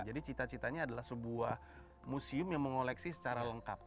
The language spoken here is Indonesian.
jadi cita citanya adalah sebuah museum yang mengoleksi secara lengkap